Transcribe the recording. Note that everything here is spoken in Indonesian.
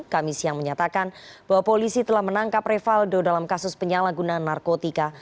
kami siang menyatakan bahwa polisi telah menangkap rivaldo dalam kasus penyalahgunaan narkotika